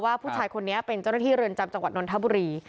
ว่าผู้ชายคนนี้เป็นเจ้าหน้าที่เรือนจำจังหวัดนทบุรี